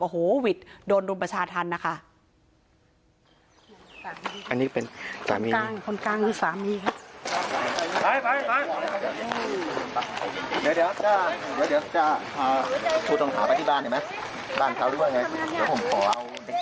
โอ้โหวิทย์โดนรุมประชาธรรมนะคะ